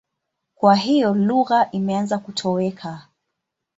Kwa hiyo lugha imeanza kutoweka.